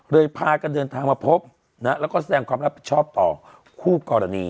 พากันเดินทางมาพบแล้วก็แสดงความรับผิดชอบต่อคู่กรณี